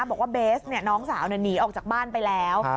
บอกว่าเบสน้องสาวหนีออกจากบ้านไปแล้ว